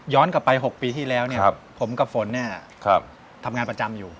ย้อนกลับไป๖ปีที่แล้วเนี่ยผมกับฝนเนี่ยทำงานประจำอยู่